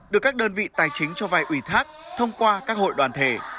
được các đơn vị tài chính cho vai ủy thác thông qua các hội đoàn thể